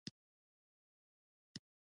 د خوست په ګربز کې د مسو نښې شته.